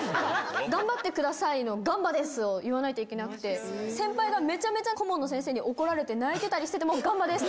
頑張ってくださいの、ガンバですを言わないといけなくて、先輩がめちゃめちゃ、顧問の先生に怒られて泣いてたりしてても、ガンバですって。